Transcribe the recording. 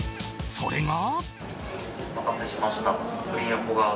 それが。